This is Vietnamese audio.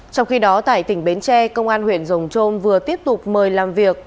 trong khi đó tại tỉnh bến tre công an huyện rồng trôm vừa tiếp tục mời làm việc